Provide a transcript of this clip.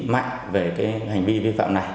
mạnh về hành vi vi phạm này